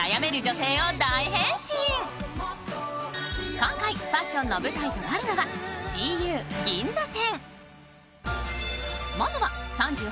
今回ファッションの舞台となるのはＧＵ銀座店。